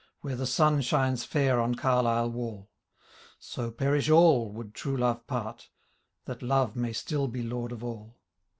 Where the sun shine« fair on Carlisle wall :^ So perish all would true love part. That Love may still be lord of all